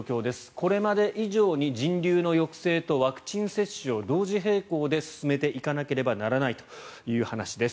これまで以上に人流の抑制とワクチン接種を同時並行で進めていかなければならないという話です。